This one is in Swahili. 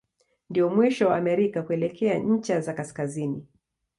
Ndio mwisho wa Amerika kuelekea ncha ya kaskazini.